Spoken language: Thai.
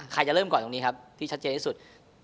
จะเริ่มก่อนตรงนี้ครับที่ชัดเจนที่สุด